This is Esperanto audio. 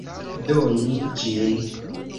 Donu ĝin!